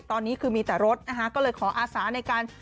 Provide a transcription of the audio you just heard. ตอนนี้คือมีแต่รถนะคะก็เลยขออาสาในการ